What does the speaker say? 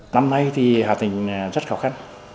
năm nay thì hà tĩnh rất khó khăn